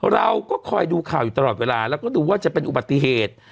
เราก็คอยดูข่าวอยู่ตลอดเวลาแล้วก็ดูว่าจะเป็นอุบัติเหตุ